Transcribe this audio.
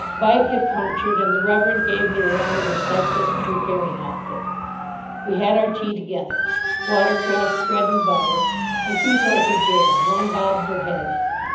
Bike had punctured, and the Reverend gave me the loan of his cyclists' repairing outfit. We had our tea together. Watercress, bread and butter, and two sorts of jam—one bob per head.